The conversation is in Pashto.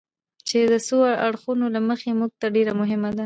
چې د څو اړخونو له مخې موږ ته ډېره مهمه ده.